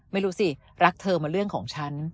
ไม่รู้สิรักเธอมาเรื่องของฉัน